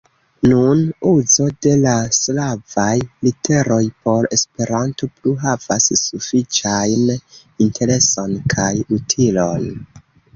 Nun, uzo de la slavaj literoj por Esperanto plu havas sufiĉajn intereson kaj utilon.